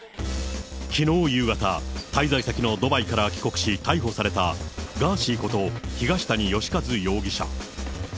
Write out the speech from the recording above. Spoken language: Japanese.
きのう夕方、滞在先のドバイから帰国し、逮捕された、ガーシーこと東谷義和容疑者。